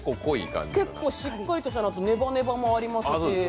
結構しっかりとした納豆、ネバネバもありますし。